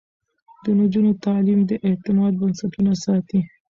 د نجونو تعليم د اعتماد بنسټونه ساتي.